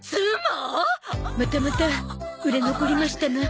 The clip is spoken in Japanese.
またまた売れ残りましたな。